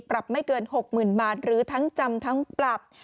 ปรับไม่เกิน๖๐๐๐บาทหรือทั้งจำทั้งปรับ